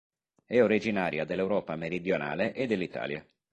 È originaria dell'Europa meridionale e dell'Italia.